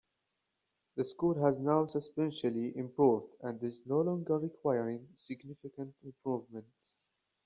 The school has now substantially improved and is no longer requiring significant improvement.